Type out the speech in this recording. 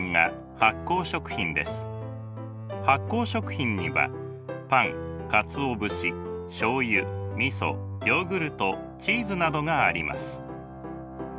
発酵食品にはパンかつお節しょうゆみそヨーグルトチーズなどがあります。